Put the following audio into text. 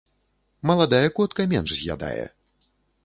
Маладая котка менш з'ядае.